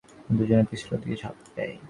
আমরা দুজনই পিস্তলের দিকে ঝাঁপ দেই।